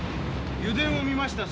油田を見ました。